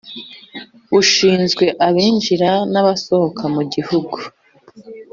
bushinzwe abinjira n’abasohoka mu gihugu